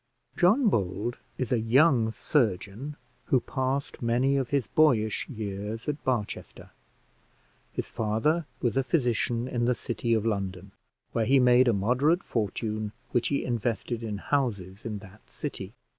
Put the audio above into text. John Bold is a young surgeon, who passed many of his boyish years at Barchester. His father was a physician in the city of London, where he made a moderate fortune, which he invested in houses in that city.